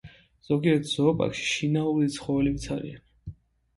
ზოგიერთ ზოოპარკში შინაური ცხოველებიც არიან.